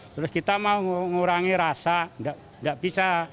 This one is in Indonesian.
terus kita mau mengurangi rasa nggak bisa